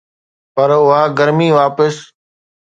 پر اها گرمي واپس